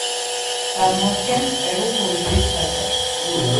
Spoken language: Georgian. წარმოადგენს პერუ-ბოლივიის საზღვარს.